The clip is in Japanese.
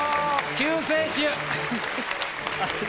救世主！